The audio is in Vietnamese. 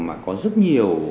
mà có rất nhiều